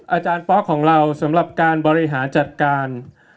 อาจารย์ป๊อกของเราสำหรับการบริหารจัดการ